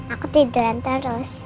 aku tiduran terus